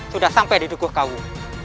sudah sampai di dukuh kau